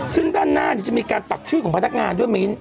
ซึ่งด้านหน้าจะมีการปักชื่อของพนักงานด้วยมิ้น